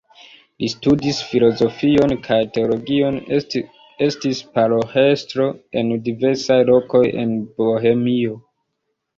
Li studis filozofion kaj teologion, estis paroĥestro en diversaj lokoj en Bohemio.